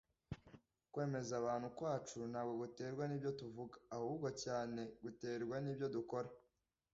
Kwemeza abantu kwacu ntabwo guterwa nibyo tuvuga, ahubwo cyane guterwa n'ibyo dukora.